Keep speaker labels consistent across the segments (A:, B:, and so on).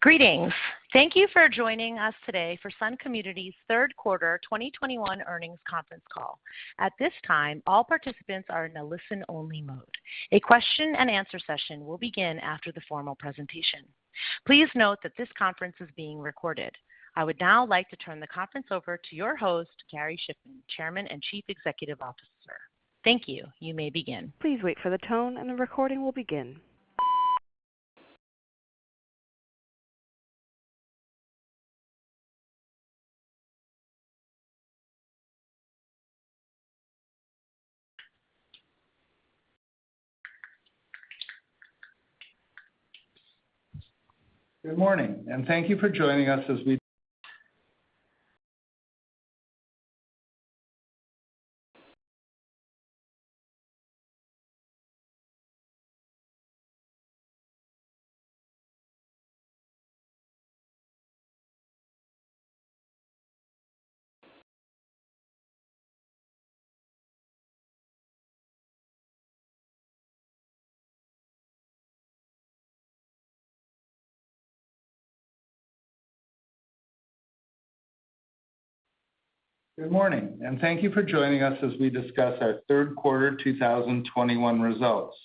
A: Greetings. Thank you for joining us today for Sun Communities Q3 2021 Earnings Conference Call. At this time, all participants are in a listen-only mode. A question-and-answer session will begin after the formal presentation. Please note that this conference is being recorded. I would now like to turn the conference over to your host, Gary Shiffman, Chairman and Chief Executive Officer. Thank you. You may begin. Please wait for the tone and the recording will begin
B: Good morning, and thank you for joining us as we discuss our Q3 2021 results.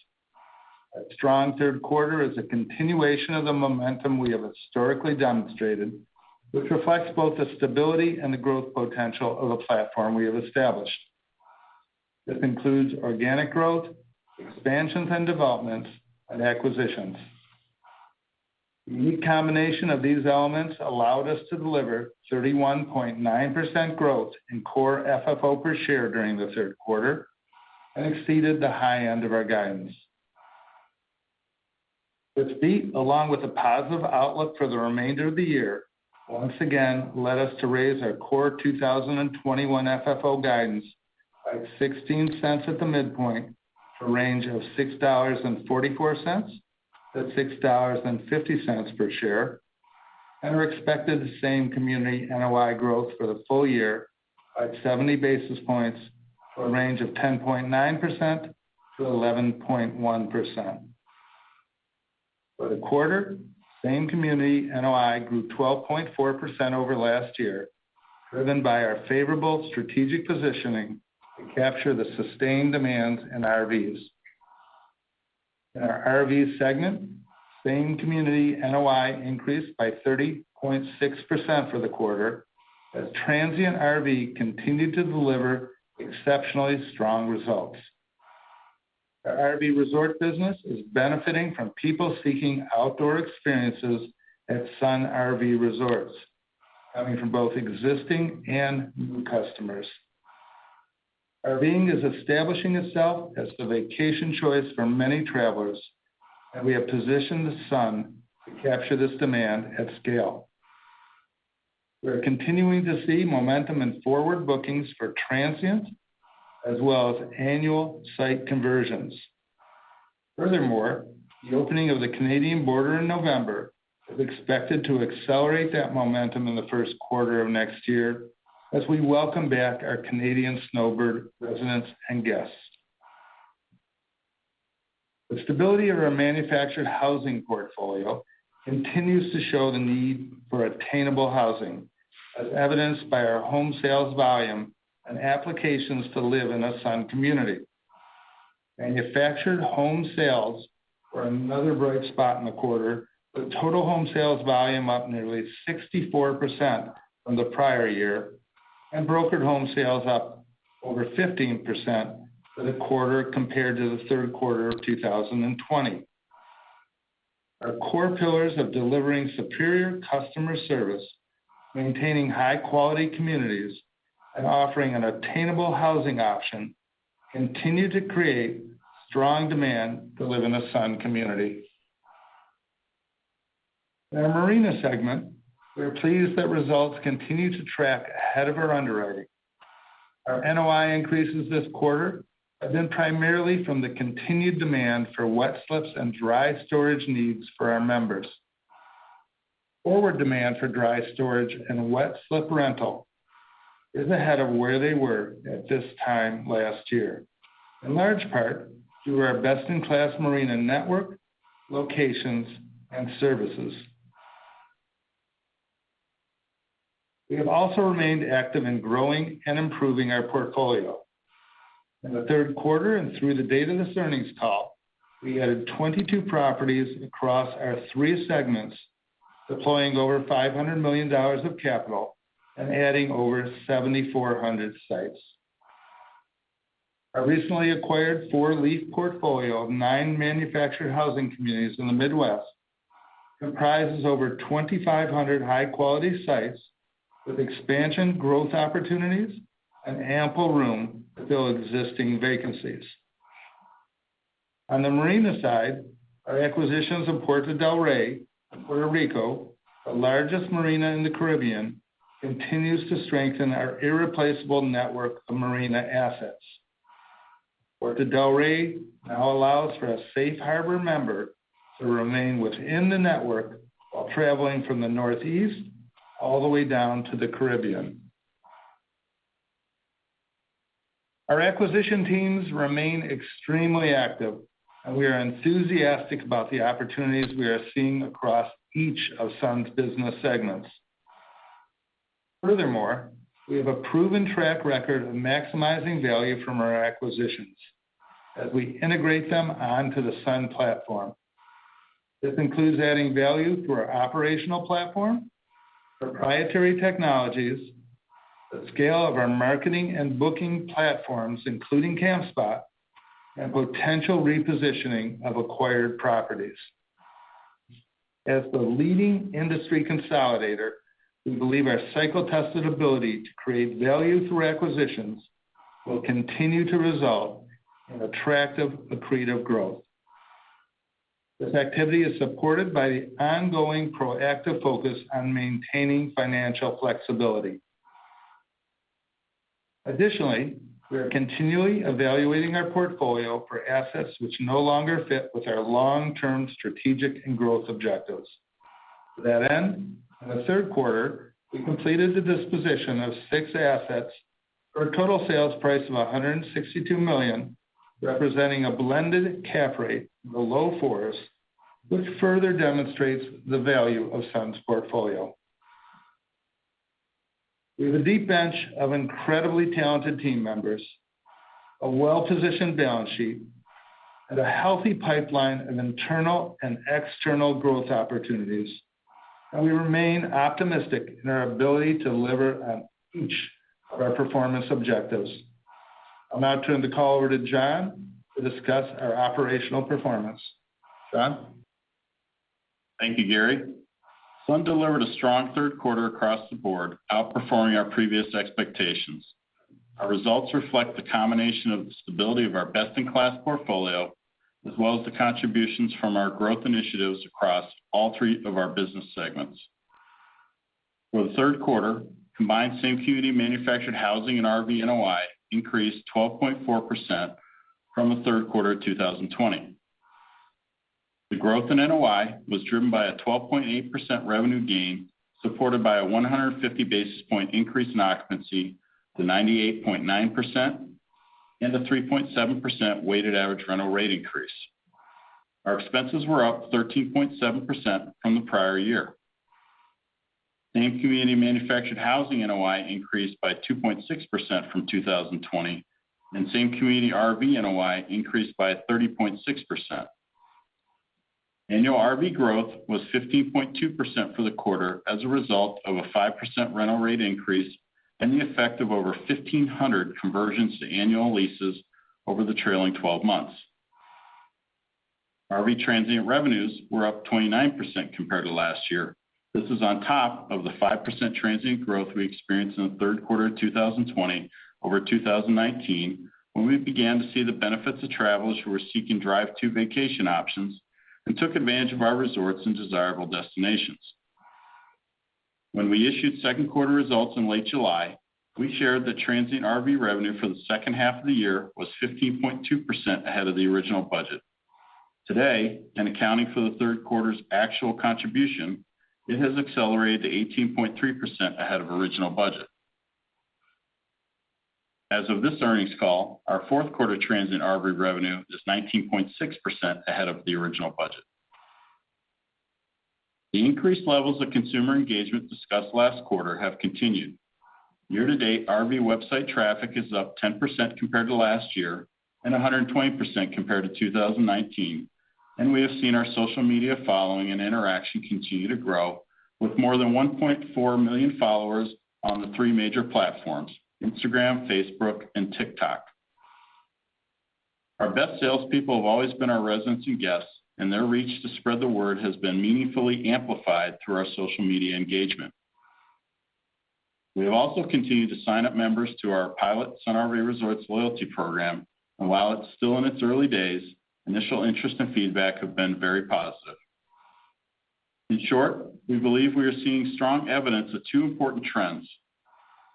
B: A strong Q3 is a continuation of the momentum we have historically demonstrated, which reflects both the stability and the growth potential of the platform we have established. This includes organic growth, expansions and developments, and acquisitions. The unique combination of these elements allowed us to deliver 31.9% growth in Core FFO per share during the Q3 and exceeded the high end of our guidance. This beat, along with a positive outlook for the remainder of the year, once again led us to raise our Core 2021 FFO guidance by $0.16 at the midpoint to a range of $6.44-$6.50 per share, and we expected the same community NOI growth for the full year by 70 basis points to a range of 10.9%-11.1%. For the quarter, same community NOI grew 12.4% over last year, driven by our favorable strategic positioning to capture the sustained demand in RVs. In our RV segment, same community NOI increased by 30.6% for the quarter, as transient RV continued to deliver exceptionally strong results. Our RV resort business is benefiting from people seeking outdoor experiences at Sun RV Resorts, coming from both existing and new customers. RVing is establishing itself as the vacation choice for many travelers, and we have positioned the Sun to capture this demand at scale. We are continuing to see momentum in forward bookings for transient as well as annual site conversions. Furthermore, the opening of the Canadian border in November is expected to accelerate that momentum in the Q1 of next year as we welcome back our Canadian snowbird residents and guests. The stability of our manufactured housing portfolio continues to show the need for attainable housing, as evidenced by our home sales volume and applications to live in a Sun community. Manufactured home sales were another bright spot in the quarter, with total home sales volume up nearly 64% from the prior year and brokered home sales up over 15% for the quarter compared to the Q3 of 2020. Our core pillars of delivering superior customer service, maintaining high-quality communities, and offering an attainable housing option continue to create strong demand to live in a Sun community. In our marina segment, we are pleased that results continue to track ahead of our underwriting. Our NOI increases this quarter have been primarily from the continued demand for wet slips and dry storage needs for our members. Forward demand for dry storage and wet slip rental is ahead of where they were at this time last year, in large part due to our best-in-class marina network, locations, and services. We have also remained active in growing and improving our portfolio. In the Q3 and through the date of this Earnings Call, we added 22 properties across our three segments, deploying over $500 million of capital and adding over 7,400 sites. Our recently acquired Four Leaf portfolio of nine manufactured housing communities in the Midwest comprises over 2,500 high-quality sites with expansion growth opportunities and ample room to fill existing vacancies. On the marina side, our acquisitions of Puerto del Rey in Puerto Rico, the largest marina in the Caribbean, continues to strengthen our irreplaceable network of marina assets. Puerto del Rey now allows for a Safe Harbor member to remain within the network while traveling from the Northeast all the way down to the Caribbean. Our acquisition teams remain extremely active, and we are enthusiastic about the opportunities we are seeing across each of Sun's business segments. Furthermore, we have a proven track record of maximizing value from our acquisitions as we integrate them onto the Sun platform. This includes adding value to our operational platform, proprietary technologies, the scale of our marketing and booking platforms, including Campspot, and potential repositioning of acquired properties. As the leading industry consolidator, we believe our cycle-tested ability to create value through acquisitions will continue to result in attractive accretive growth. This activity is supported by the ongoing proactive focus on maintaining financial flexibility. Additionally, we are continually evaluating our portfolio for assets which no longer fit with our long-term strategic and growth objectives. To that end, in the Q3, we completed the disposition of six assets for a total sales price of $162 million, representing a blended cap rate in the low fours, which further demonstrates the value of SUN's portfolio. We have a deep bench of incredibly talented team members, a well-positioned balance sheet, and a healthy pipeline of internal and external growth opportunities, and we remain optimistic in our ability to deliver on each of our performance objectives. I'll now turn the call over to John to discuss our operational performance. John?
C: Thank you, Gary. SUN delivered a strong Q3 across the board, outperforming our previous expectations. Our results reflect the combination of the stability of our best-in-class portfolio, as well as the contributions from our growth initiatives across all three of our business segments. For the Q3, combined same-community manufactured housing and RV NOI increased 12.4% from the Q3 of 2020. The growth in NOI was driven by a 12.8% revenue gain, supported by a 150 basis point increase in occupancy to 98.9% and a 3.7% weighted average rental rate increase. Our expenses were up 13.7% from the prior year. Same-community manufactured housing NOI increased by 2.6% from 2020, and same-community RV NOI increased by 30.6%. Annual RV growth was 15.2% for the quarter as a result of a 5% rental rate increase and the effect of over 1,500 conversions to annual leases over the trailing 12 months. RV transient revenues were up 29% compared to last year. This is on top of the 5% transient growth we experienced in the Q3 of 2020 over 2019 when we began to see the benefits of travelers who were seeking drive-to vacation options and took advantage of our resorts in desirable destinations. When we issued Q2 results in late July, we shared that transient RV revenue for the second half of the year was 15.2% ahead of the original budget. Today, in accounting for the Q3's actual contribution, it has accelerated to 18.3% ahead of original budget. As of this earnings call, our Q4 transient RV revenue is 19.6% ahead of the original budget. The increased levels of consumer engagement discussed last quarter have continued. Year to date, RV website traffic is up 10% compared to last year and 120% compared to 2019, and we have seen our social media following and interaction continue to grow with more than 1.4 million followers on the three major platforms, Instagram, Facebook, and TikTok. Our best salespeople have always been our residents and guests, and their reach to spread the word has been meaningfully amplified through our social media engagement. We have also continued to sign up members to our pilot Sun Outdoors loyalty program. While it's still in its early days, initial interest and feedback have been very positive. In short, we believe we are seeing strong evidence of two important trends.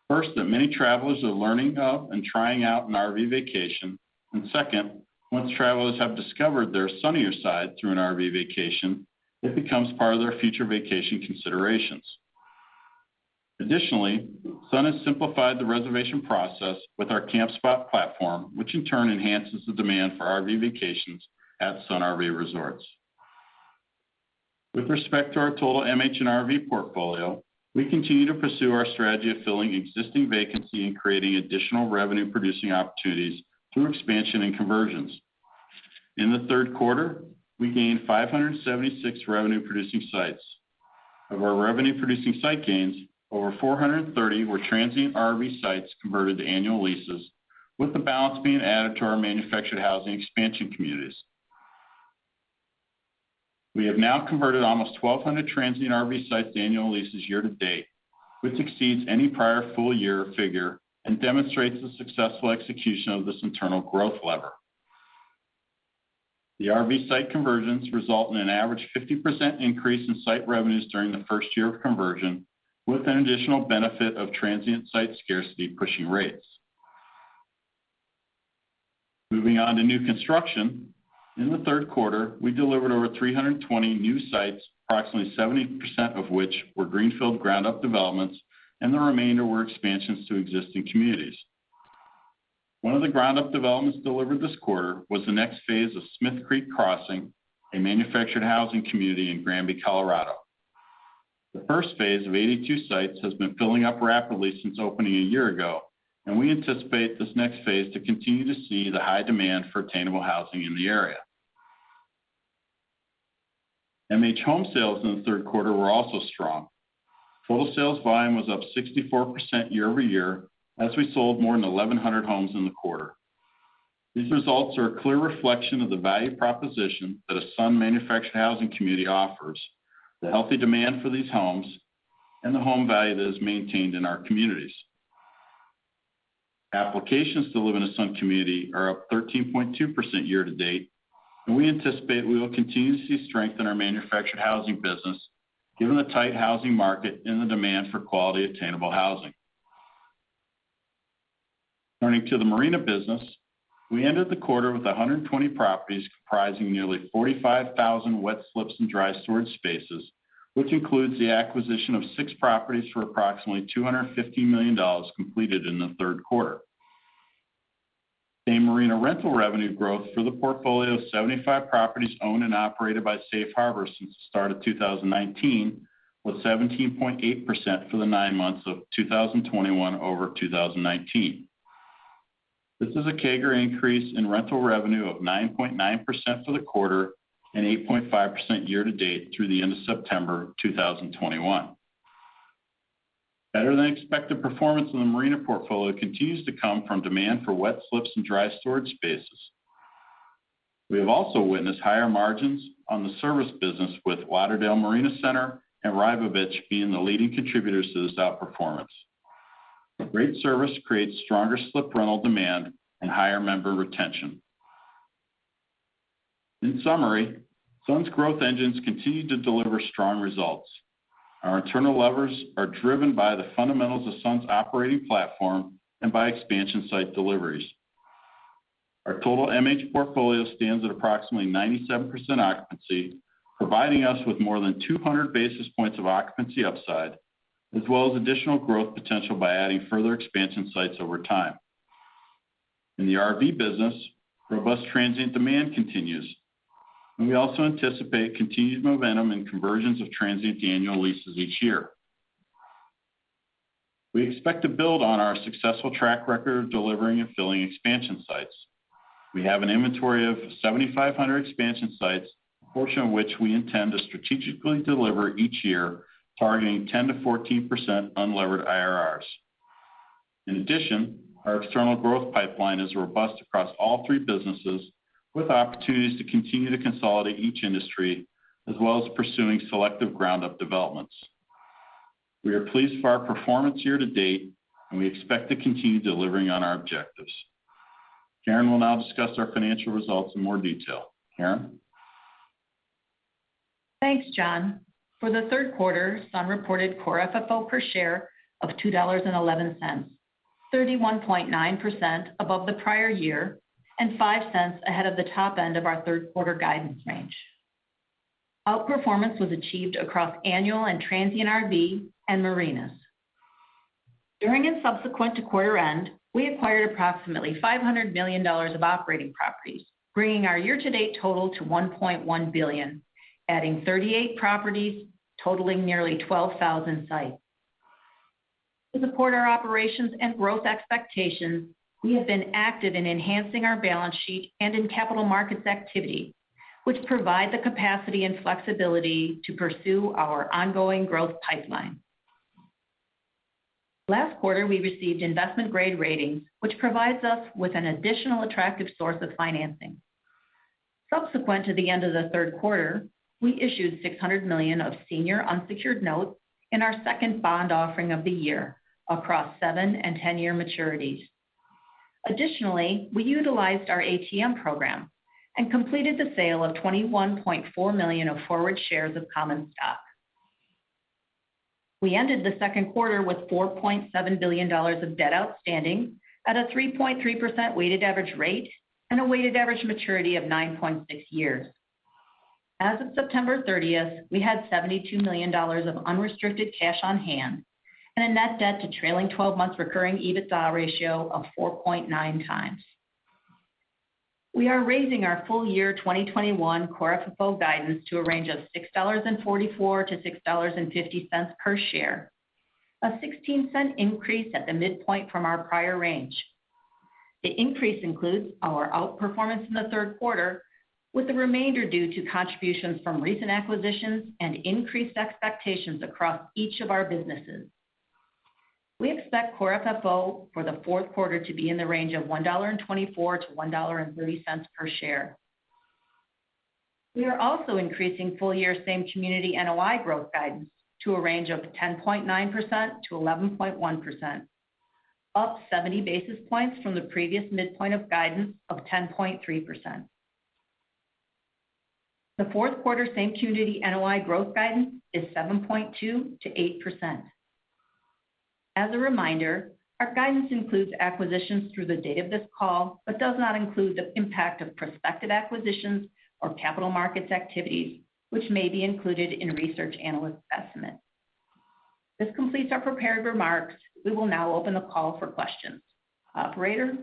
C: First, that many travelers are learning of and trying out an RV vacation, and second, once travelers have discovered their sunnier side through an RV vacation, it becomes part of their future vacation considerations. Additionally, Sun has simplified the reservation process with our Campspot platform, which in turn enhances the demand for RV vacations at Sun Outdoors. With respect to our total MH and RV portfolio, we continue to pursue our strategy of filling existing vacancy and creating additional revenue-producing opportunities through expansion and conversions. In the Q3, we gained 576 revenue-producing sites. Of our revenue-producing site gains, over 430 were transient RV sites converted to annual leases, with the balance being added to our manufactured housing expansion communities. We have now converted almost 1,200 transient RV sites to annual leases year to date, which exceeds any prior full year figure and demonstrates the successful execution of this internal growth lever. The RV site conversions result in an average 50% increase in site revenues during the first year of conversion, with an additional benefit of transient site scarcity pushing rates. Moving on to new construction. In the Q3, we delivered over 320 new sites, approximately 70% of which were greenfield ground up developments, and the remainder were expansions to existing communities. One of the ground-up developments delivered this quarter was the next phase of Smith Creek Crossing, a manufactured housing community in Granby, Colorado. The first phase of 82 sites has been filling up rapidly since opening a year ago, and we anticipate this next phase to continue to see the high demand for attainable housing in the area. MH home sales in the Q3 were also strong. Total sales volume was up 64% year-over-year as we sold more than 1,100 homes in the quarter. These results are a clear reflection of the value proposition that a Sun manufactured housing community offers, the healthy demand for these homes, and the home value that is maintained in our communities. Applications to live in a Sun community are up 13.2% year to date, and we anticipate we will continue to see strength in our manufactured housing business given the tight housing market and the demand for quality attainable housing. Turning to the marina business. We ended the quarter with 120 properties comprising nearly 45,000 wet slips and dry storage spaces, which includes the acquisition of 6 properties for approximately $250 million completed in the Q3. Same-marina rental revenue growth for the portfolio of 75 properties owned and operated by Safe Harbor since the start of 2019 was 17.8% for the nine months of 2021 over 2019. This is a CAGR increase in rental revenue of 9.9% for the quarter and 8.5% year to date through the end of September 2021. Better than expected performance in the marina portfolio continues to come from demand for wet slips and dry storage spaces. We have also witnessed higher margins on the service business with Lauderdale Marine Center and Rybovich being the leading contributors to this outperformance. A great service creates stronger slip rental demand and higher member retention. In summary, Sun's growth engines continue to deliver strong results. Our internal levers are driven by the fundamentals of Sun's operating platform and by expansion site deliveries. Our total MH portfolio stands at approximately 97% occupancy, providing us with more than 200 basis points of occupancy upside, as well as additional growth potential by adding further expansion sites over time. In the RV business, robust transient demand continues, and we also anticipate continued momentum in conversions of transient to annual leases each year. We expect to build on our successful track record of delivering and filling expansion sites. We have an inventory of 7,500 expansion sites, a portion of which we intend to strategically deliver each year, targeting 10%-14% unlevered IRRs. In addition, our external growth pipeline is robust across all three businesses, with opportunities to continue to consolidate each industry, as well as pursuing selective ground-up developments. We are pleased with our performance year to date, and we expect to continue delivering on our objectives. Karen will now discuss our financial results in more detail. Karen?
D: Thanks, John. For the Q3, Sun reported Core FFO per share of $2.11, 31.9% above the prior year and $0.05 ahead of the top end of our Q3 guidance range. Outperformance was achieved across annual and transient RV and marinas. During and subsequent to quarter end, we acquired approximately $500 million of operating properties, bringing our year-to-date total to $1.1 billion, adding 38 properties totaling nearly 12,000 sites. To support our operations and growth expectations, we have been active in enhancing our balance sheet and in capital markets activity, which provide the capacity and flexibility to pursue our ongoing growth pipeline. Last quarter, we received investment-grade ratings, which provides us with an additional attractive source of financing. Subsequent to the end of the Q3, we issued $600 million of senior unsecured notes in our second bond offering of the year across seven and 10-year maturities. Additionally, we utilized our ATM program and completed the sale of 21.4 million of forward shares of common stock. We ended the Q2 with $4.7 billion of debt outstanding at a 3.3% weighted average rate and a weighted average maturity of 9.6 years. As of 30 September, we had $72 million of unrestricted cash on hand and a net debt to trailing 12 months recurring EBITDA ratio of 4.9 times. We are raising our full year 2021 Core FFO guidance to a range of $6.44-$6.50 per share, a 16-cent increase at the midpoint from our prior range. The increase includes our outperformance in the Q3, with the remainder due to contributions from recent acquisitions and increased expectations across each of our businesses. We expect Core FFO for the Q4 to be in the range of $1.24-$1.30 per share. We are also increasing full year same community NOI growth guidance to a range of 10.9%-11.1%, up 70 basis points from the previous midpoint of guidance of 10.3%. The Q4 same-community NOI growth guidance is 7.2%-8%. As a reminder, our guidance includes acquisitions through the date of this call, but does not include the impact of prospective acquisitions or capital markets activities which may be included in research analyst estimates. This completes our prepared remarks. We will now open the call for questions. Operator?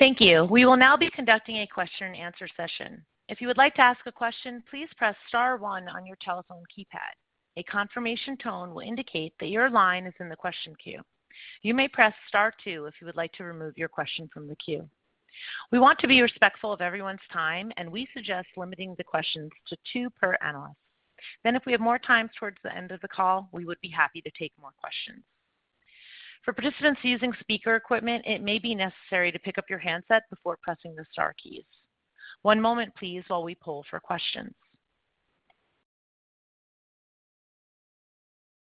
A: Thank you. We will now be conducting a question-and-answer session. If you would like to ask a question, please press star one on your telephone keypad. A confirmation tone will indicate that your line is in the question queue. You may press star two if you would like to remove your question from the queue. We want to be respectful of everyone's time, and we suggest limiting the questions to two per analyst. If we have more time towards the end of the call, we would be happy to take more questions. For participants using speaker equipment, it may be necessary to pick up your handset before pressing the star keys. One moment please, while we poll for questions.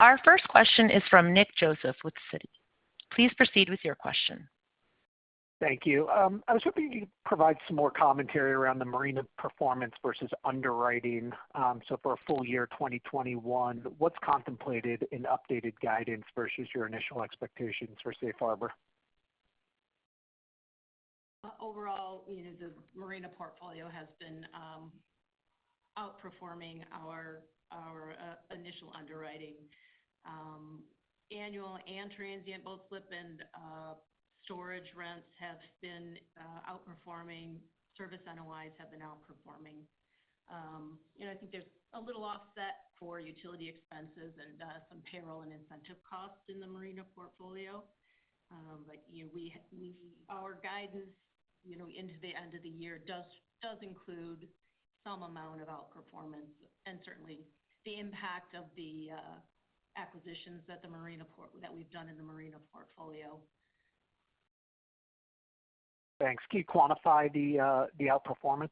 A: Our first question is from Nicholas Joseph with Citigroup. Please proceed with your question.
E: Thank you. I was hoping you could provide some more commentary around the marina performance versus underwriting. For full year 2021, what's contemplated in updated guidance versus your initial expectations for Safe Harbor?
D: Overall, you know, the marina portfolio has been outperforming our initial underwriting. Annual and transient boat slip and storage rents have been outperforming. Service NOIs have been outperforming. You know, I think there's a little offset for utility expenses and some payroll and incentive costs in the marina portfolio. Our guidance into the end of the year does include some amount of outperformance, and certainly the impact of the acquisitions that we've done in the marina portfolio.
E: Thanks. Can you quantify the outperformance?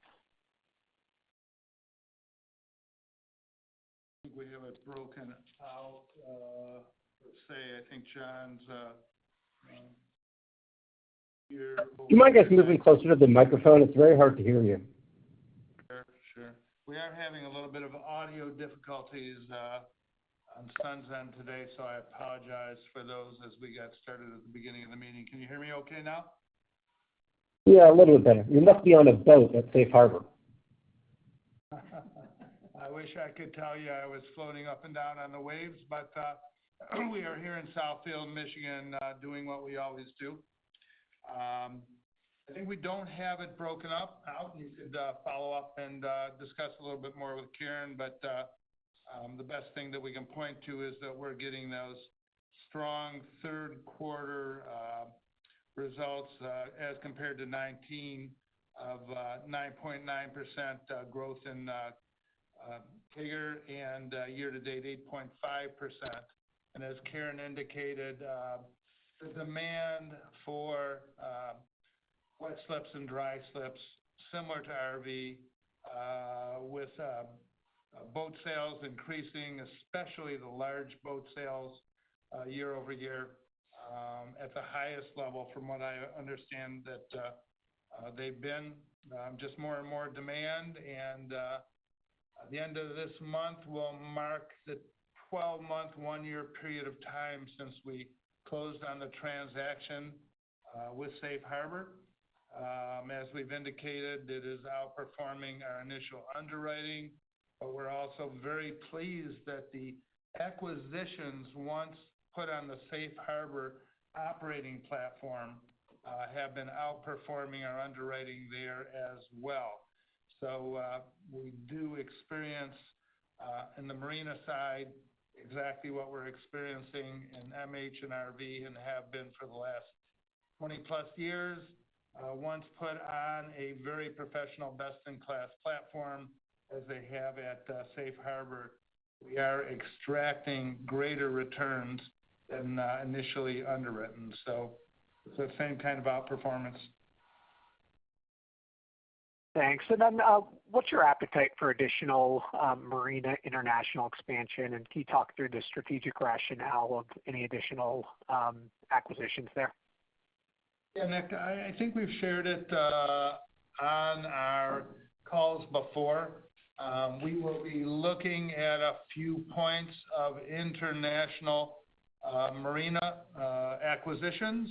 B: I think we have it broken out. Let's see. I think John's here.
E: Do you mind guys moving closer to the microphone? It's very hard to hear you.
B: Sure, sure. We are having a little bit of audio difficulties on Sun's end today, so I apologize for those as we got started at the beginning of the meeting. Can you hear me okay now?
E: Yeah, a little better. You must be on a boat at Safe Harbor.
B: I wish I could tell you I was floating up and down on the waves, but we are here in Southfield, Michigan, doing what we always do. You could follow up and discuss a little bit more with Karen. The best thing that we can point to is that we're getting those strong Q3 results as compared to 2019 of 9.9% growth in CAGR and year-to-date 8.5%. As Karen indicated, the demand for wet slips and dry slips, similar to RV, with boat sales increasing, especially the large boat sales, year-over-year, at the highest level from what I understand that they've been. Just more and more demand. The end of this month will mark the 12-month, one year period of time since we closed on the transaction with Safe Harbor. As we've indicated, it is outperforming our initial underwriting. We're also very pleased that the acquisitions once put on the Safe Harbor operating platform have been outperforming our underwriting there as well. We do experience, in the marina side, exactly what we're experiencing in MH and RV and have been for the last 20+ years. Once put on a very professional best-in-class platform as they have at Safe Harbor, we are extracting greater returns than initially underwritten. It's the same kind of outperformance.
E: Thanks. What's your appetite for additional marina international expansion? Can you talk through the strategic rationale of any additional acquisitions there?
B: Yeah, Nick, I think we've shared it on our calls before. We will be looking at a few points of international marina acquisitions.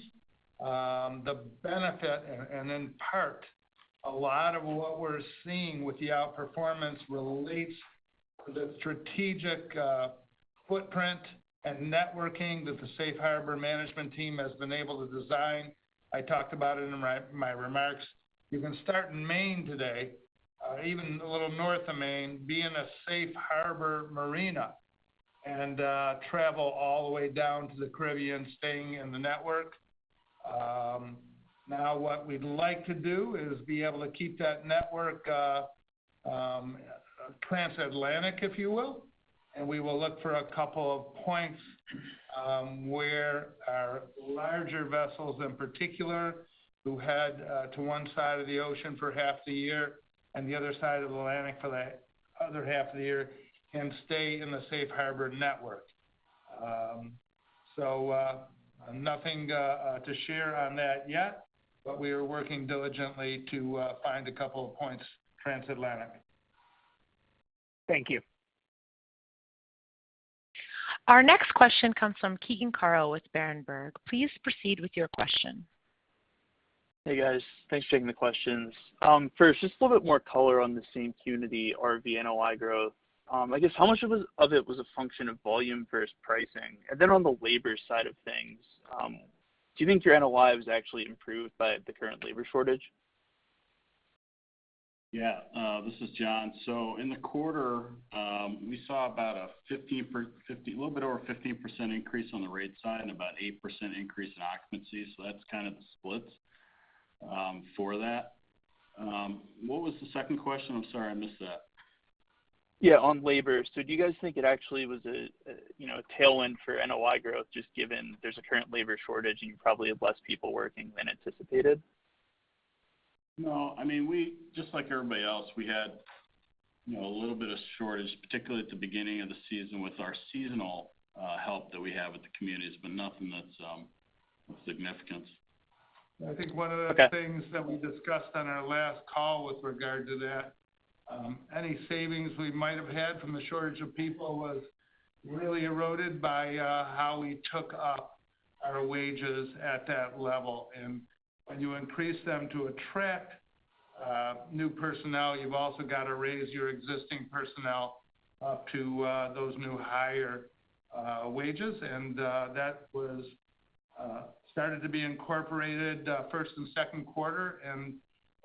B: The benefit and in part, a lot of what we're seeing with the outperformance relates to the strategic footprint and networking that the Safe Harbor management team has been able to design. I talked about it in my remarks. You can start in Maine today, even a little north of Maine, be in a Safe Harbor marina and travel all the way down to the Caribbean, staying in the network. Now what we'd like to do is be able to keep that network transatlantic, if you will. We will look for a couple of points, where our larger vessels in particular, who head to one side of the ocean for half the year and the other side of the Atlantic for the other half of the year can stay in the Safe Harbor network. Nothing to share on that yet, but we are working diligently to find a couple of points transatlantic.
E: Thank you.
A: Our next question comes from Keegan Carl with Berenberg. Please proceed with your question.
F: Hey, guys. Thanks for taking the questions. First, just a little bit more color on the same community RV NOI growth. I guess how much of it was a function of volume versus pricing? On the labor side of things, do you think your NOI was actually improved by the current labor shortage?
C: Yeah. This is John. In the quarter, we saw about a little bit over a 15% increase on the rate side and about 8% increase in occupancy, so that's kind of the splits for that. What was the second question? I'm sorry, I missed that.
F: Yeah, on labor. Do you guys think it actually was a you know, a tailwind for NOI growth, just given there's a current labor shortage and you probably have less people working than anticipated?
C: No. I mean, just like everybody else, we had, you know, a little bit of shortage, particularly at the beginning of the season with our seasonal help that we have with the communities, but nothing that's of significance.
B: I think one of the-
F: Okay
B: Things that we discussed on our last call with regard to that, any savings we might have had from the shortage of people was really eroded by how we jacked up our wages at that level. When you increase them to attract new personnel, you've also gotta raise your existing personnel up to those new higher wages. That started to be incorporated first and Q2, and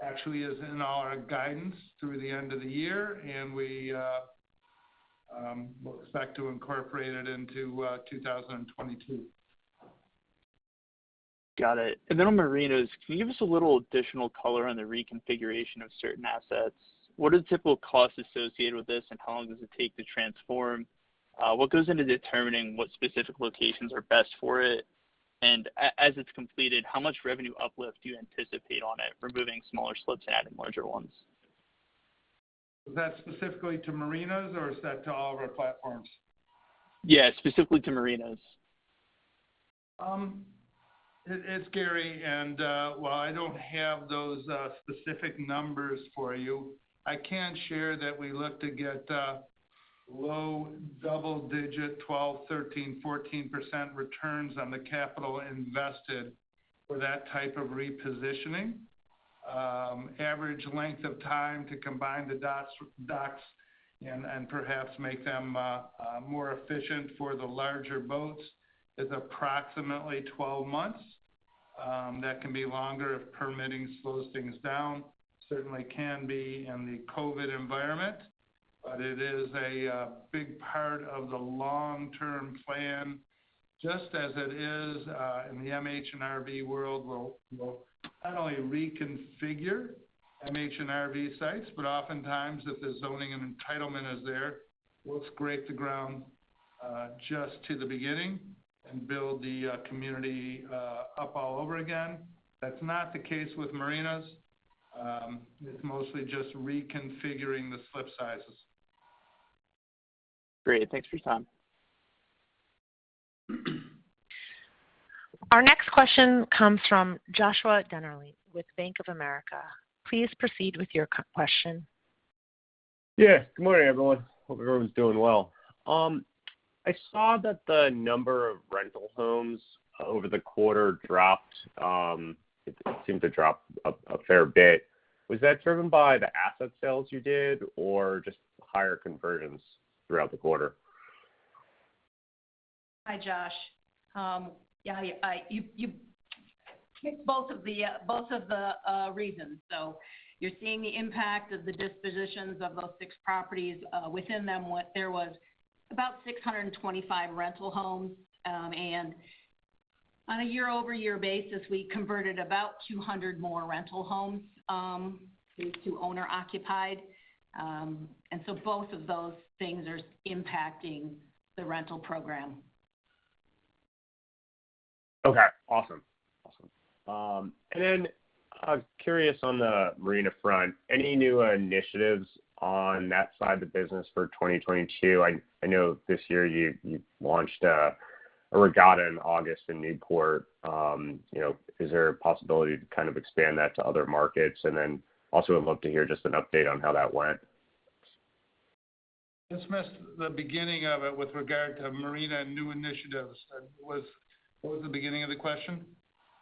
B: actually is in our guidance through the end of the year. We'll expect to incorporate it into 2022.
F: Got it. On marinas, can you give us a little additional color on the reconfiguration of certain assets? What are the typical costs associated with this, and how long does it take to transform? What goes into determining what specific locations are best for it? As it's completed, how much revenue uplift do you anticipate on it, removing smaller slips, adding larger ones?
B: Is that specifically to marinas or is that to all of our platforms?
F: Yeah, specifically to marinas.
B: It's Gary. While I don't have those specific numbers for you, I can share that we look to get low double-digit 12%, 13%, 14% returns on the capital invested for that type of repositioning. Average length of time to combine the docks and perhaps make them more efficient for the larger boats is approximately 12 months. That can be longer if permitting slows things down, certainly can be in the COVID environment. It is a big part of the long-term plan, just as it is in the MH and RV world. We'll not only reconfigure MH and RV sites, but oftentimes if the zoning and entitlement is there, we'll scrape the ground just to the beginning and build the community up all over again. That's not the case with marinas. It's mostly just reconfiguring the slip sizes.
F: Great. Thanks for your time.
A: Our next question comes from Joshua Dennerlein with Bank of America. Please proceed with your question.
G: Yeah. Good morning, everyone. Hope everyone's doing well. I saw that the number of rental homes over the quarter dropped. It seemed to drop a fair bit. Was that driven by the asset sales you did or just higher conversions throughout the quarter?
D: Hi, Joshua. Yeah, you hit both of the reasons. You're seeing the impact of the dispositions of those six properties. Within them there was about 625 rental homes. On a year-over-year basis, we converted about 200 more rental homes due to owner occupied. Both of those things are impacting the rental program.
G: Okay. Awesome. I was curious on the marina front, any new initiatives on that side of the business for 2022? I know this year you launched a regatta in August in Newport. You know, is there a possibility to kind of expand that to other markets? I'd love to hear just an update on how that went.
B: Just missed the beginning of it with regard to marina new initiatives. What was the beginning of the question?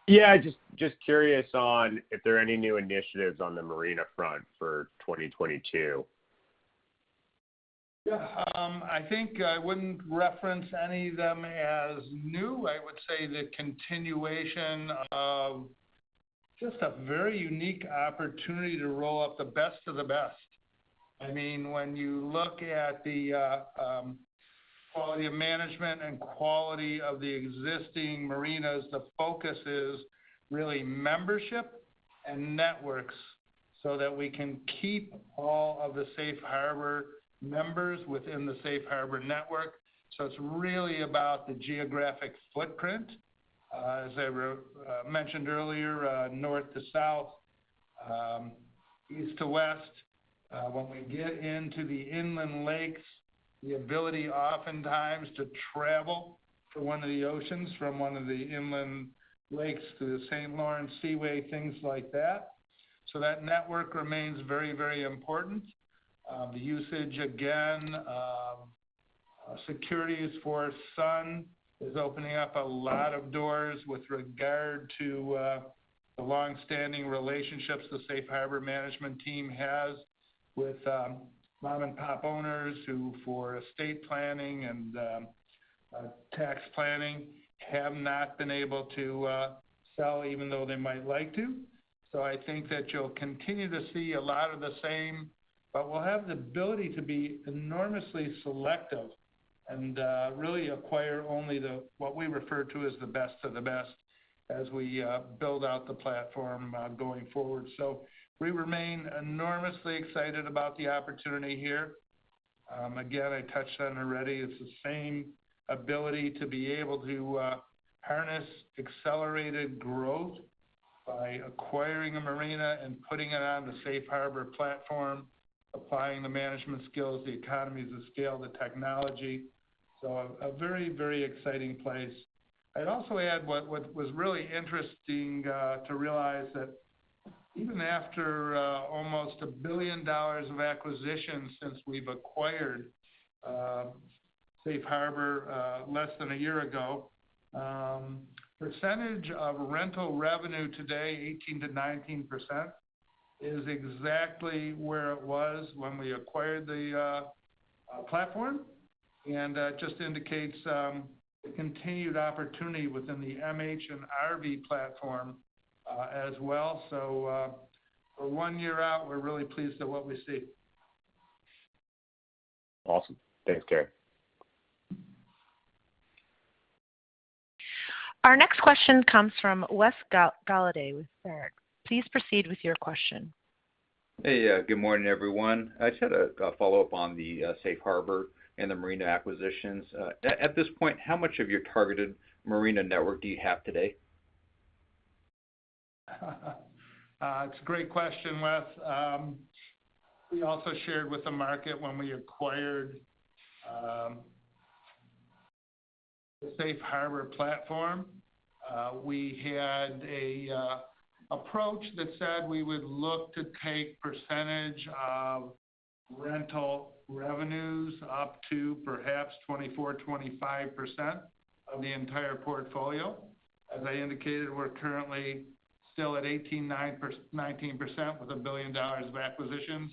G: Yeah, just curious on if there are any new initiatives on the marina front for 2022?
B: Yeah. I think I wouldn't reference any of them as new. I would say the continuation of just a very unique opportunity to roll out the best of the best. I mean, when you look at the quality of management and quality of the existing marinas, the focus is really membership and networks so that we can keep all of the Safe Harbor members within the Safe Harbor network. So it's really about the geographic footprint. As I mentioned earlier, north to south, east to west, when we get into the inland lakes, the ability oftentimes to travel to one of the oceans from one of the inland lakes to the St. Lawrence Seaway, things like that. So that network remains very, very important. The use of securities for Sun is opening up a lot of doors with regard to the long-standing relationships the Safe Harbor management team has with mom-and-pop owners who, for estate planning and tax planning, have not been able to sell even though they might like to. I think that you'll continue to see a lot of the same, but we'll have the ability to be enormously selective and really acquire only what we refer to as the best of the best as we build out the platform going forward. We remain enormously excited about the opportunity here. Again, I touched on it already. It's the same ability to be able to harness accelerated growth by acquiring a marina and putting it on the Safe Harbor platform, applying the management skills, the economies of scale, the technology. A very exciting place. I'd also add what was really interesting to realize that even after almost $1 billion of acquisitions since we've acquired Safe Harbor less than a year ago, percentage of rental revenue today, 18%-19%, is exactly where it was when we acquired the platform. That just indicates the continued opportunity within the MH and RV platform as well. For one year out, we're really pleased at what we see.
G: Awesome. Thanks, Gary.
A: Our next question comes from Wesley Golladay with Baird. Please proceed with your question.
H: Hey, good morning, everyone. I just had a follow-up on the Safe Harbor and the marina acquisitions. At this point, how much of your targeted marina network do you have today?
B: It's a great question, Wes. We also shared with the market when we acquired the Safe Harbor platform, we had an approach that said we would look to take percentage of rental revenues up to perhaps 24%-25% of the entire portfolio. As I indicated, we're currently still at 19% with $1 billion of acquisitions.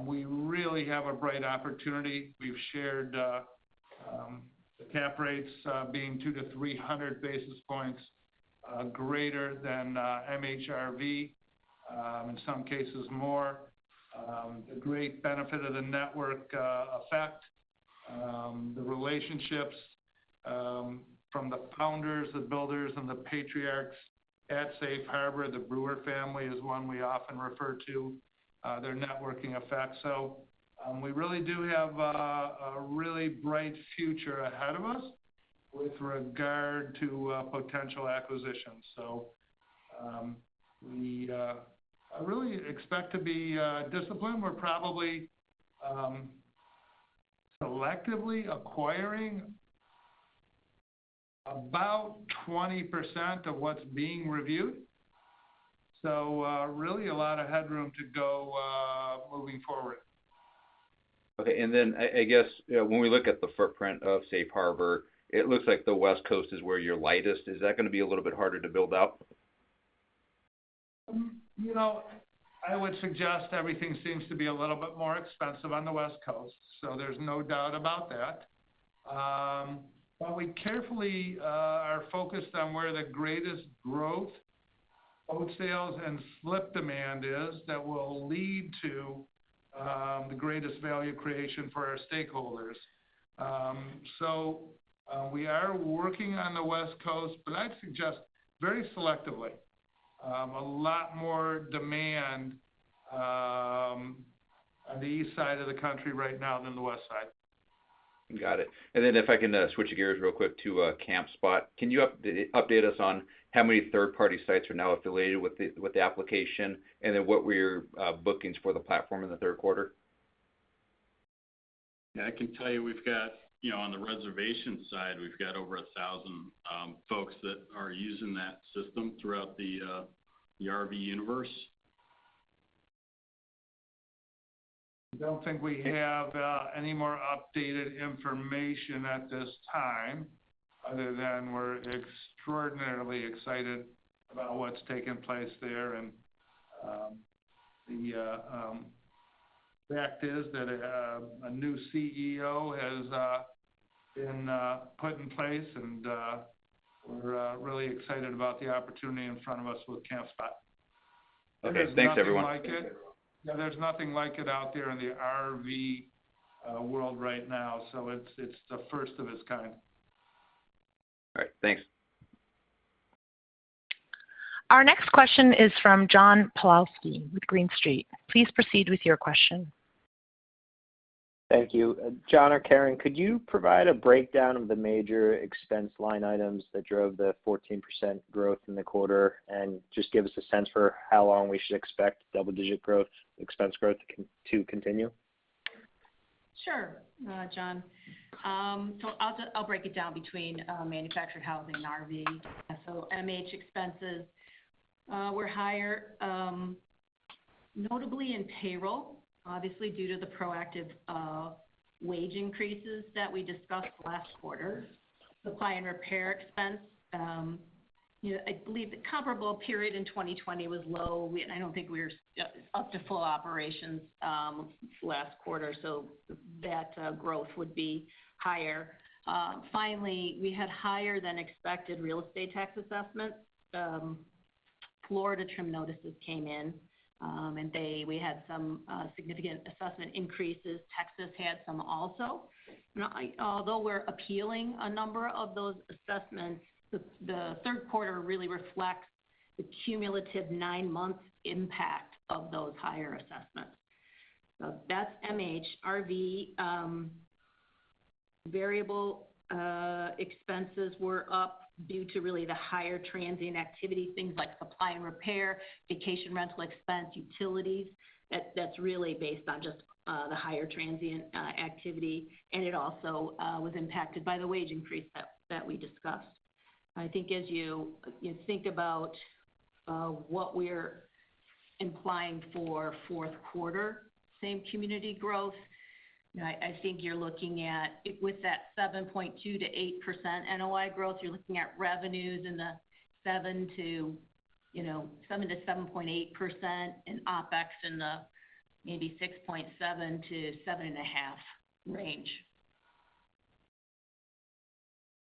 B: We really have a bright opportunity. We've shared the cap rates being 200-300 basis points greater than MHRV, in some cases more. The great benefit of the network effect, the relationships from the founders, the builders, and the patriarchs at Safe Harbor, the Brewer family is one we often refer to, their networking effect. We really do have a really bright future ahead of us with regard to potential acquisitions. We really expect to be disciplined. We're probably selectively acquiring about 20% of what's being reviewed. Really a lot of headroom to go moving forward.
H: Okay. I guess, you know, when we look at the footprint of Safe Harbor, it looks like the West Coast is where you're lightest. Is that gonna be a little bit harder to build out?
B: You know, I would suggest everything seems to be a little bit more expensive on the West Coast, so there's no doubt about that. We carefully are focused on where the greatest growth, boat sales, and slip demand is that will lead to the greatest value creation for our stakeholders. We are working on the West Coast, but I'd suggest very selectively. A lot more demand on the east side of the country right now than the west side.
H: Got it. If I can switch gears real quick to Campspot. Can you update us on how many third-party sites are now affiliated with the application, and then what were your bookings for the platform in the Q3?
C: I can tell you we've got, you know, on the reservation side, we've got over 1,000 folks that are using that system throughout the RV universe.
B: I don't think we have any more updated information at this time other than we're extraordinarily excited about what's taken place there. The fact is that a new CEO has been put in place, and we're really excited about the opportunity in front of us with Campspot.
H: Okay. Thanks, everyone.
B: There's nothing like it. No, there's nothing like it out there in the RV world right now, so it's the first of its kind.
H: All right. Thanks.
A: Our next question is from John Pawlowski with Green Street. Please proceed with your question.
I: Thank you. John or Karen, could you provide a breakdown of the major expense line items that drove the 14% growth in the quarter, and just give us a sense for how long we should expect double-digit growth, expense growth to continue?
D: Sure. John. I'll break it down between manufactured housing and RV. MH expenses were higher, notably in payroll, obviously due to the proactive wage increases that we discussed last quarter. Supply and repair expense, you know, I believe the comparable period in 2020 was low. I don't think we were up to full operations last quarter, so that growth would be higher. Finally, we had higher than expected real estate tax assessments. Florida trim notices came in, and we had some significant assessment increases. Texas had some also. Although we're appealing a number of those assessments, the Q3 really reflects the cumulative nine-month impact of those higher assessments. That's MH. Our variable expenses were up due to really the higher transient activity, things like supply and repair, vacation rental expense, utilities. That's really based on just the higher transient activity. It also was impacted by the wage increase that we discussed. I think as you think about what we're implying for Q4 same community growth, you know, I think you're looking at, with that 7.2%-8% NOI growth, you're looking at revenues in the 7% to 7.8%, and OpEx in the maybe 6.7%-7.5% range.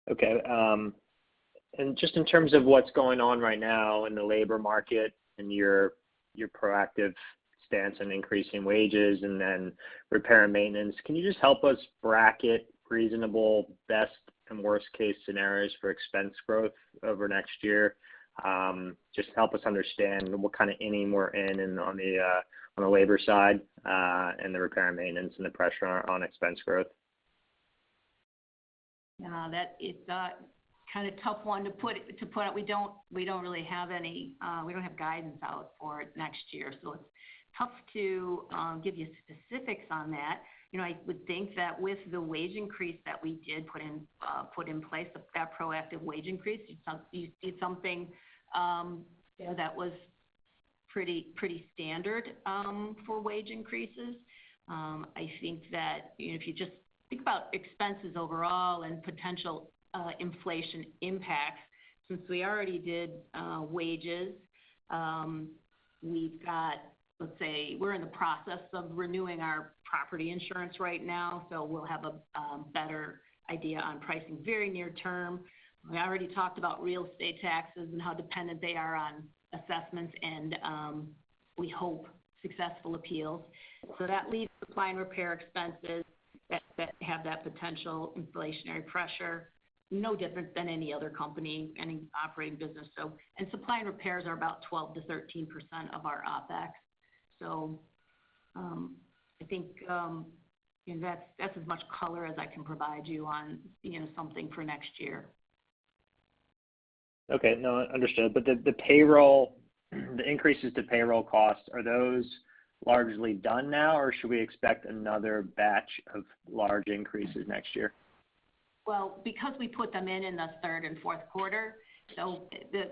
I: Okay. Just in terms of what's going on right now in the labor market and your proactive stance on increasing wages and then repair and maintenance, can you just help us bracket reasonable best and worst case scenarios for expense growth over next year? Just help us understand what kind of inning we're in on the labor side, and the repair and maintenance and the pressure on expense growth.
D: Yeah. That is a kind of tough one to put out. We don't really have any. We don't have guidance out for next year, so it's tough to give you specifics on that. You know, I would think that with the wage increase that we did put in place, that proactive wage increase, it's something, you know, that was pretty standard for wage increases. I think that, you know, if you just think about expenses overall and potential inflation impacts, since we already did wages, we've got. Let's say we're in the process of renewing our property insurance right now, so we'll have a better idea on pricing very near term. We already talked about real estate taxes and how dependent they are on assessments and we hope successful appeals. That leaves supply and repair expenses that have that potential inflationary pressure, no different than any other company, any operating business. Supply and repairs are about 12%-13% of our OpEx. I think, you know, that's as much color as I can provide you on, you know, something for next year.
I: Okay. No, understood. The payroll, the increases to payroll costs, are those largely done now, or should we expect another batch of large increases next year?
D: Well, because we put them in the Q3 and Q4.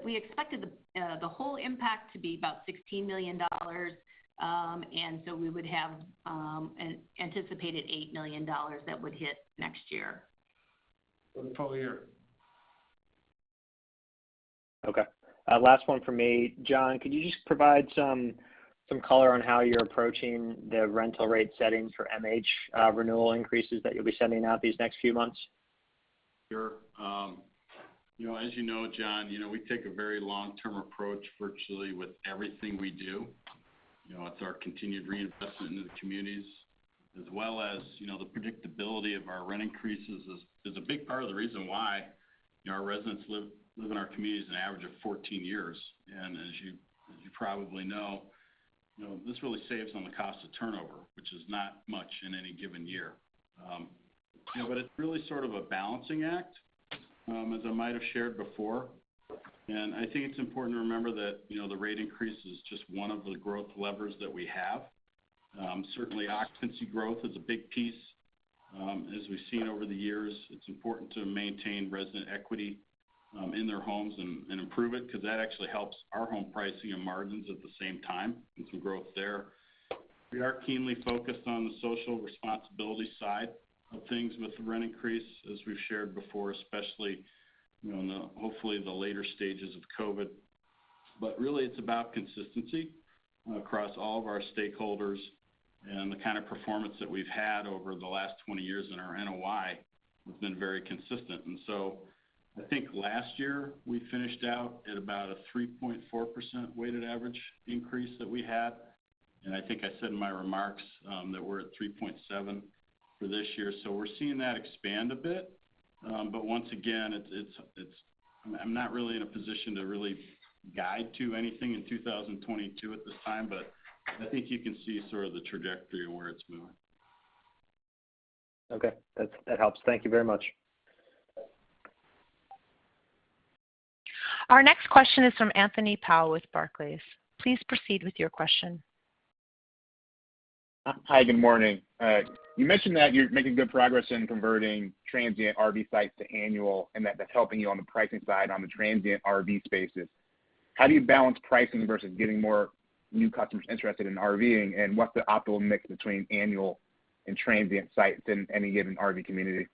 D: We expected the whole impact to be about $16 million, and so we would have an anticipated $8 million that would hit next year.
C: It'll be full year.
I: Okay. Last one from me. John, could you just provide some color on how you're approaching the rental rate settings for MH renewal increases that you'll be sending out these next few months?
C: Sure. You know, as you know, John, you know, we take a very long-term approach virtually with everything we do. You know, it's our continued reinvestment in the communities as well as, you know, the predictability of our rent increases is a big part of the reason why, you know, our residents live in our communities an average of 14 years. As you probably know, you know, this really saves on the cost of turnover, which is not much in any given year. You know, but it's really sort of a balancing act, as I might have shared before. I think it's important to remember that, you know, the rate increase is just one of the growth levers that we have. Certainly occupancy growth is a big piece. As we've seen over the years, it's important to maintain resident equity in their homes and improve it because that actually helps our home pricing and margins at the same time, get some growth there. We are keenly focused on the social responsibility side of things with the rent increase, as we've shared before, especially you know hopefully the later stages of COVID. Really it's about consistency across all of our stakeholders and the kind of performance that we've had over the last 20 years in our NOI has been very consistent. I think last year we finished out at about a 3.4% weighted average increase that we had. I think I said in my remarks that we're at 3.7% for this year. We're seeing that expand a bit, but once again, I'm not really in a position to really guide to anything in 2022 at this time. I think you can see sort of the trajectory of where it's moving.
I: Okay. That helps. Thank you very much.
A: Our next question is from Anthony Powell with Barclays. Please proceed with your question.
J: Hi, good morning. You mentioned that you're making good progress in converting transient RV sites to annual, and that that's helping you on the pricing side on the transient RV spaces. How do you balance pricing versus getting more new customers interested in RV-ing? And what's the optimal mix between annual and transient sites in any given RV community?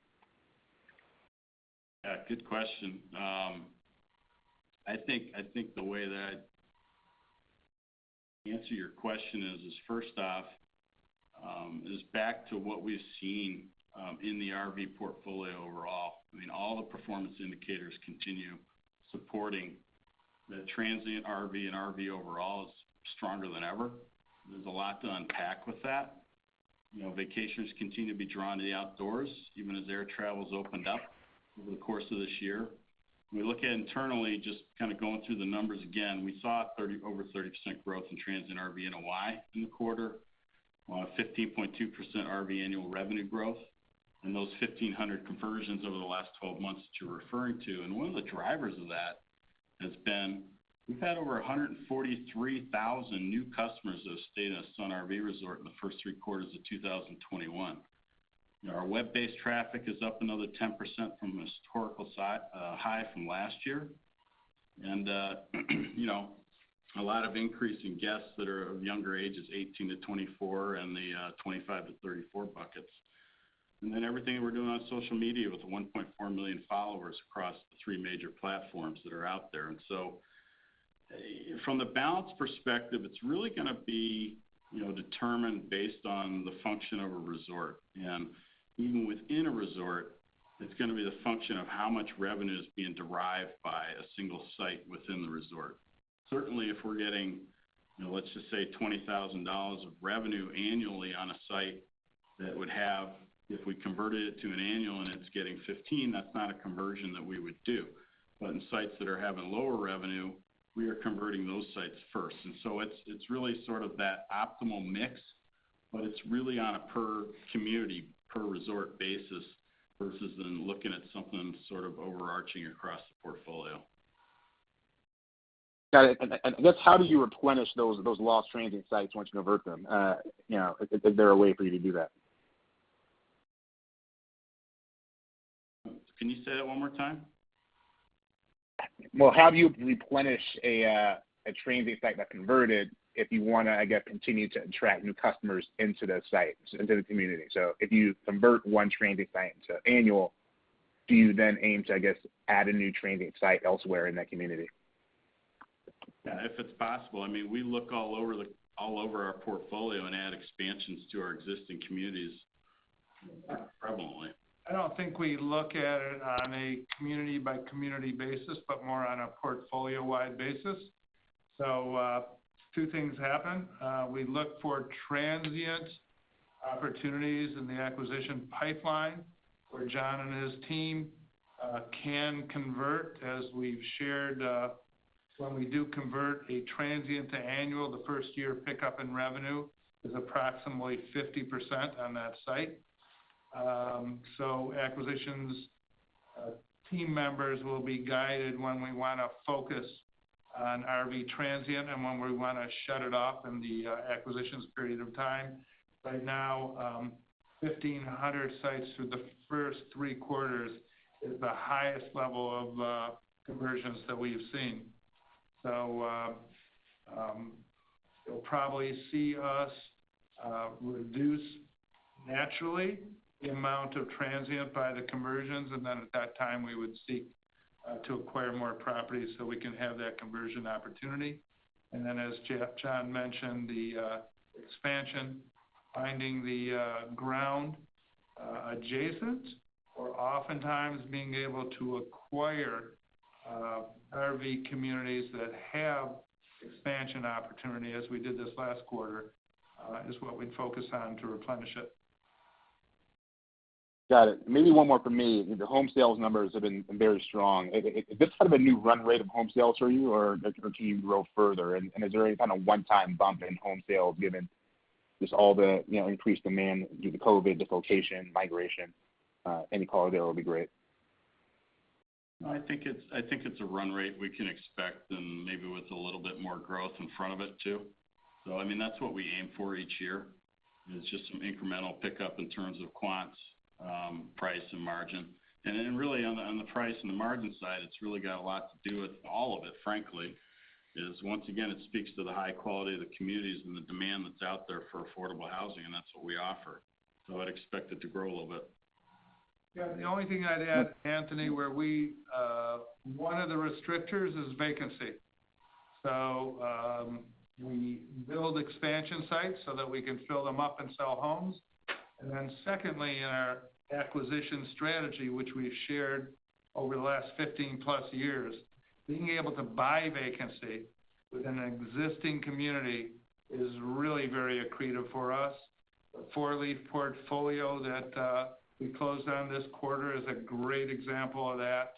C: Yeah, good question. I think the way that I'd answer your question is first off back to what we've seen in the RV portfolio overall. I mean, all the performance indicators continue supporting the transient RV, and RV overall is stronger than ever. There's a lot to unpack with that. You know, vacationers continue to be drawn to the outdoors, even as air travel's opened up over the course of this year. We look at internally, just kind of going through the numbers again, we saw over 30% growth in transient RV NOI in the quarter. 15.2% RV annual revenue growth. Those 1,500 conversions over the last 12 months that you're referring to, and one of the drivers of that has been we've had over 143,000 new customers that have stayed at Sun Outdoors in the first three quarters of 2021. You know, our web-based traffic is up another 10% from the historical high from last year. You know, a lot of increase in guests that are of younger ages, 18-24, and the 25-34 brackets. Everything we're doing on social media with the 1.4 million followers across the three major platforms that are out there. From the balance perspective, it's really gonna be, you know, determined based on the function of a resort. Even within a resort, it's gonna be the function of how much revenue is being derived by a single site within the resort. Certainly, if we're getting, you know, let's just say $20,000 of revenue annually on a site that would have if we converted it to an annual and it's getting $15,000, that's not a conversion that we would do. But in sites that are having lower revenue, we are converting those sites first. It's, it's really sort of that optimal mix, but it's really on a per community, per resort basis, versus then looking at something sort of overarching across the portfolio.
J: Got it. That's how do you replenish those lost transient sites once you convert them? You know, is there a way for you to do that?
C: Can you say that one more time?
J: Well, how do you replenish a transient site that converted if you wanna, I guess, continue to attract new customers into the site, into the community? If you convert one transient site into annual, do you then aim to, I guess, add a new transient site elsewhere in that community?
C: Yeah, if it's possible. I mean, we look all over our portfolio and add expansions to our existing communities prevalently.
B: I don't think we look at it on a community by community basis, but more on a portfolio-wide basis. Two things happen. We look for transient opportunities in the acquisition pipeline, where John and his team can convert. As we've shared, when we do convert a transient to annual, the first year pickup in revenue is approximately 50% on that site. Acquisitions team members will be guided when we wanna focus on RV transient and when we wanna shut it off in the acquisitions period of time. Right now, 1,500 sites through the first three quarters is the highest level of conversions that we've seen. You'll probably see us reduce naturally the amount of transient by the conversions, and then at that time, we would seek to acquire more properties so we can have that conversion opportunity. As John mentioned, the expansion, finding the ground adjacent or oftentimes being able to acquire RV communities that have expansion opportunity, as we did this last quarter, is what we'd focus on to replenish it.
J: Got it. Maybe one more from me. The home sales numbers have been very strong. Is this kind of a new run rate of home sales for you, or does it continue to grow further? Is there any kind of one-time bump in home sales, given just all the, you know, increased demand due to COVID, dislocation, migration? Any color there would be great.
C: I think it's a run rate we can expect and maybe with a little bit more growth in front of it, too. I mean, that's what we aim for each year, is just some incremental pickup in terms of quants, price and margin. Really on the price and the margin side, it's really got a lot to do with all of it, frankly, is once again it speaks to the high quality of the communities and the demand that's out there for affordable housing, and that's what we offer. I'd expect it to grow a little bit.
B: Yeah, the only thing I'd add, Anthony, one of the restrictions is vacancy. We build expansion sites so that we can fill them up and sell homes. Then secondly, in our acquisition strategy, which we've shared over the last 15+ years, being able to buy vacancy within an existing community is really very accretive for us. The Four Leaf portfolio that we closed on this quarter is a great example of that.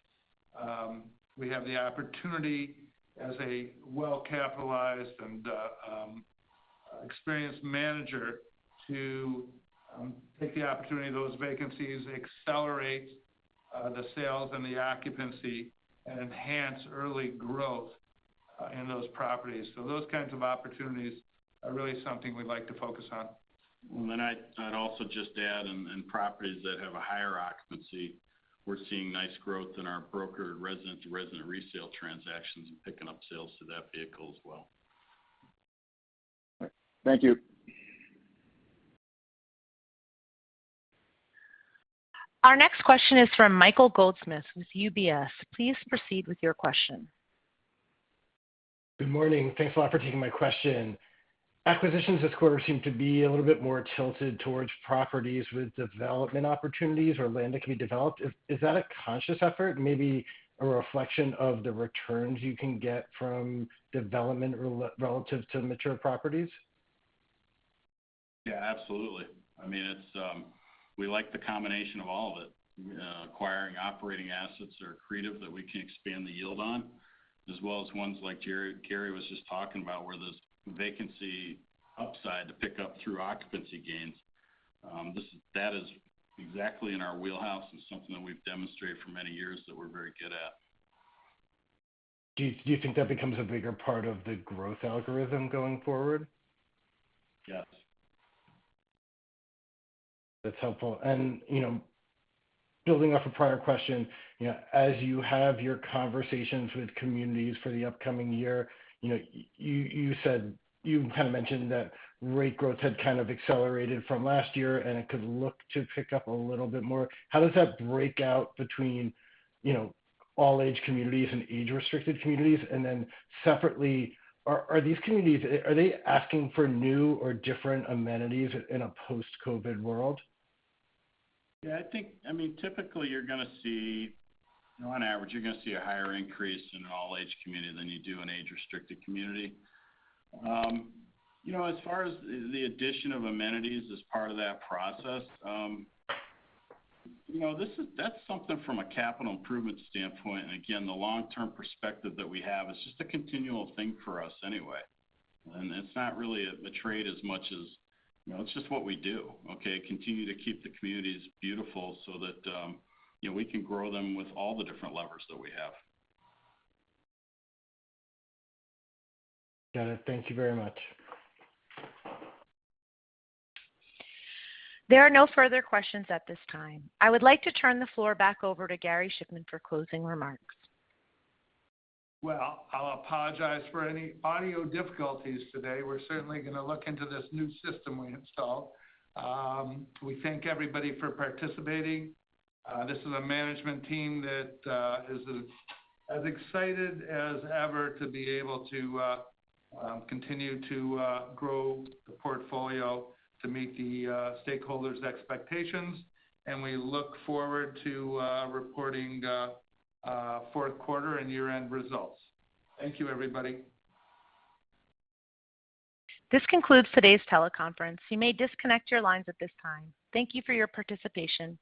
B: We have the opportunity, as a well-capitalized and experienced manager, to take the opportunity of those vacancies, accelerate the sales and the occupancy, and enhance early growth in those properties. Those kinds of opportunities are really something we'd like to focus on.
C: I'd also just add, in properties that have a higher occupancy, we're seeing nice growth in our broker resident-to-resident resale transactions and picking up sales to that vehicle as well.
B: All right. Thank you.
A: Our next question is from Michael Goldsmith with UBS. Please proceed with your question.
K: Good morning. Thanks a lot for taking my question. Acquisitions this quarter seem to be a little bit more tilted towards properties with development opportunities or land that can be developed. Is that a conscious effort, maybe a reflection of the returns you can get from development relative to mature properties?
C: Yeah, absolutely. I mean, it's. We like the combination of all of it, you know, acquiring operating assets that are accretive, that we can expand the yield on, as well as ones like Gary was just talking about, where there's vacancy upside to pick up through occupancy gains. That is exactly in our wheelhouse and something that we've demonstrated for many years that we're very good at.
K: Do you think that becomes a bigger part of the growth algorithm going forward?
C: Yes.
K: That's helpful. You know, building off a prior question, you know, as you have your conversations with communities for the upcoming year, you know, you said you kind of mentioned that rate growth had kind of accelerated from last year, and it could look to pick up a little bit more. How does that break out between, you know, all age communities and age-restricted communities? Then separately, are these communities asking for new or different amenities in a post-COVID world?
C: Yeah, I think. I mean, typically you're gonna see, you know, on average, you're gonna see a higher increase in all age community than you do an age-restricted community. You know, as far as the addition of amenities as part of that process, you know, that's something from a capital improvement standpoint, and again, the long-term perspective that we have, it's just a continual thing for us anyway, and it's not really a trade as much as, you know, it's just what we do, okay? Continue to keep the communities beautiful so that, you know, we can grow them with all the different levers that we have.
K: Got it. Thank you very much.
A: There are no further questions at this time. I would like to turn the floor back over to Gary Shiffman for closing remarks.
B: Well, I'll apologize for any audio difficulties today. We're certainly gonna look into this new system we installed. We thank everybody for participating. This is a management team that is as excited as ever to be able to continue to grow the portfolio to meet the stakeholders' expectations, and we look forward to reporting a Q4 and year-end results. Thank you, everybody.
A: This concludes today's teleconference. You may disconnect your lines at this time. Thank you for your participation.